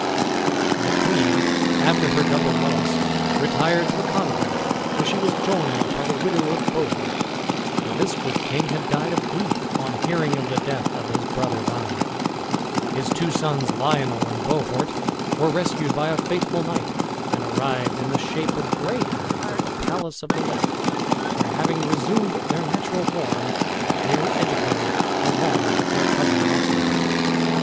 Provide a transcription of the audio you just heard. The queen, after her double loss, retired to a convent, where she was joined by the widow of Bohort, for this good king had died of grief on hearing of the death of his brother Ban. His two sons, Lionel and Bohort, were rescued by a faithful knight, and arrived in the shape of greyhounds at the palace of the lake, where, having resumed their natural form, they were educated along with their cousin Launcelot.